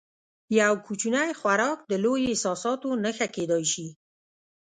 یو کوچنی خوراک د لویو احساساتو نښه کېدای شي.